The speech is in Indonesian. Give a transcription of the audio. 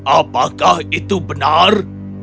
apakah itu benar